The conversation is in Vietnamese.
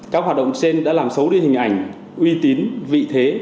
các hoạt động trên đã làm xấu đi hình ảnh uy tín vị thế